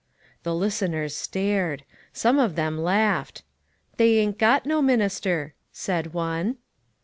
The listeners stared. Some of them laughed. " They ain't got no minister," said one.